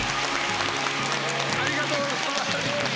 ありがとうございます！